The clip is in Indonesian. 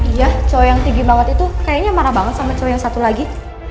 iya cowok yang tinggi banget itu kayaknya marah banget sama cowok yang satu lagi